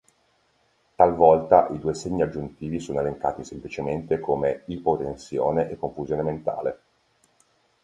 Talvolta, i due segni aggiuntivi sono elencati semplicemente come ipotensione e confusione mentale.